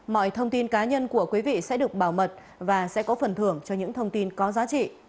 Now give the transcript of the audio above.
mọi thông tin cá nhân của quý vị sẽ được bảo mật và sẽ có phần thưởng cho những thông tin có giá trị